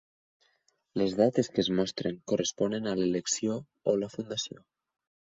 Les dates que es mostren corresponen a l'elecció o la fundació.